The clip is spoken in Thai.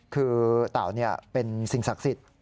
คือเต่าเป็นสิ่งศักดิ์สิทธิ์